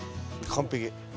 完璧。